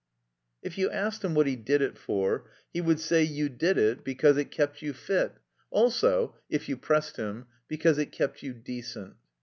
If you asked him what he did it for, he would say you did it because it kept you fit, also (if you pressed him) because it kept you decent.